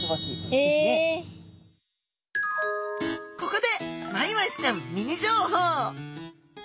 ここでマイワシちゃんミニ情報。